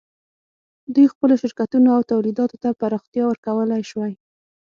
دوی خپلو شرکتونو او تولیداتو ته پراختیا ورکولای شوای.